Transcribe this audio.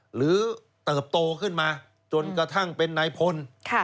เติบโตขึ้นมาจนกระทั่งเป็นนายพล